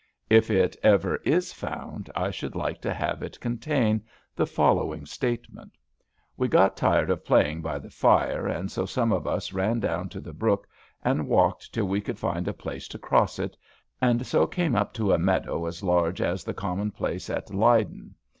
If it ever is found, I should like to have it contain the following statement: "We got tired of playing by the fire, and so some of us ran down to the brook, and walked till we could find a place to cross it; and so came up to a meadow as large as the common place in Leyden.